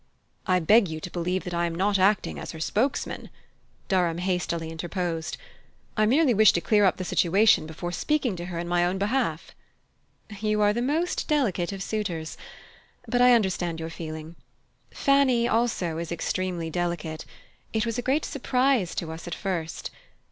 "I beg you to believe that I am not acting as her spokesman," Durham hastily interposed. "I merely wish to clear up the situation before speaking to her in my own behalf." "You are the most delicate of suitors! But I understand your feeling. Fanny also is extremely delicate: it was a great surprise to us at first.